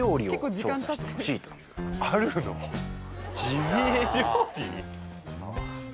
ジビエ料理？